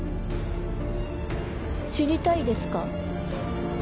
知りたいですか？